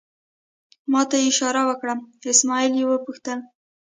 ما ته یې اشاره وکړه، اسمعیل یې وپوښتل.